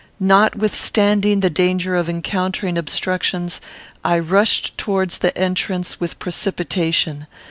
Notwithstanding the danger of encountering obstructions, I rushed towards the entrance with precipitation.